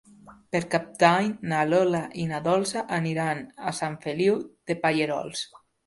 Per Cap d'Any na Lola i na Dolça aniran a Sant Feliu de Pallerols.